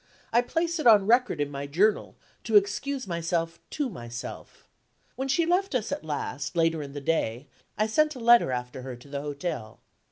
I place it on record in my Journal, to excuse myself to myself. When she left us at last, later in the day, I sent a letter after her to the hotel.